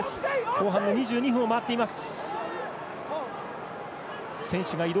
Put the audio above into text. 後半の２２分を回っています。